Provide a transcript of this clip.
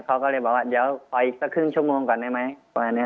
เขาก็เลยบอกว่าเดี๋ยวขออีกสักครึ่งชั่วโมงก่อนได้ไหมประมาณนี้